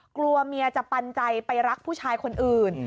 กลัวเมียจะปันใจไปรักผู้ชายคนอื่น